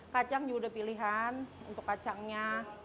kacang juga udah pilihan untuk kacangnya